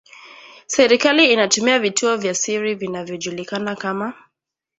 serikali inatumia vituo vya siri vinavyojulikana kama